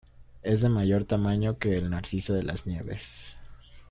Es de mayor tamaño que el narciso de las nieves.